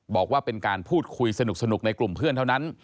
บอกว่าเป็นการพูดคุยสนุกในกลุ่มเพื่อนเท่านั้น